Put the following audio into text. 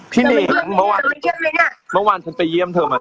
พี่นี่เมื่อวานฉันไปเยี่ยมเธอมานะ